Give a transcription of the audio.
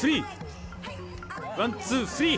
ワンツースリー！